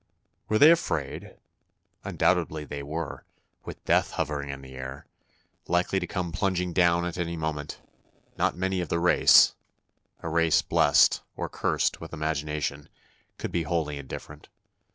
Were they afraid? Undoubtedly they were: with death hovering in the air, likely to come plunging down at any moment, not many of the race—a race blessed, or cursed, with imagination—could be wholly indifferent.